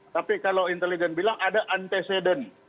tapi kalau intelijen bilang ada antecedent